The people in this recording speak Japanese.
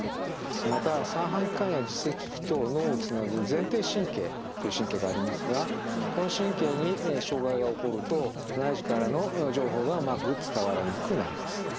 また三半規管や耳石器と脳をつなぐ前庭神経という神経がありますがこの神経に障害が起こると内耳からの情報がうまく伝わらなくなります。